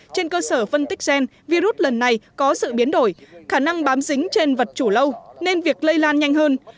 trên cơ sở phân tích gen virus lần này có sự biến đổi khả năng bám dính trên vật chủ lâu nên việc lây lan nhanh hơn